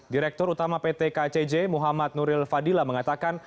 direktur utama pt kcj muhammad nuril fadila mengatakan